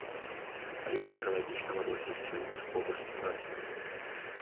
Але ці экалагічна вырошчваць пшаніцу побач з трасамі?